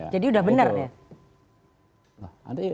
jadi udah benar ya